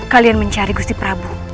kalian mencari gusti prabu